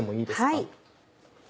はい。